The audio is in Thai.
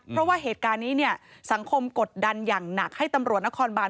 เพราะว่าเหตุการณ์นี้เนี่ยสังคมกดดันอย่างหนักให้ตำรวจนครบาน